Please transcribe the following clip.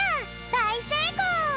だいせいこう！